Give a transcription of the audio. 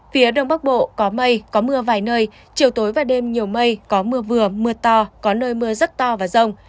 phía đông bắc bộ có mây có mưa vài nơi chiều tối và đêm nhiều mây có mưa vừa mưa to có nơi mưa rất to và rông